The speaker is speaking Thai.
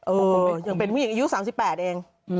โอ้โหยังเป็นผู้หญิงอายุ๓๘เอง